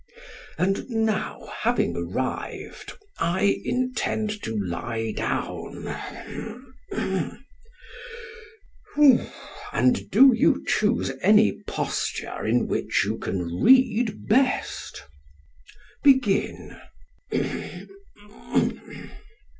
And now having arrived, I intend to lie down, and do you choose any posture in which you can read best. Begin.